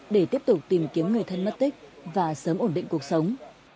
để tiếp tục tìm kiếm người thân mất tích và sớm ổn định cuộc sống